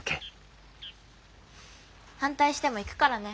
反対しても行くからね。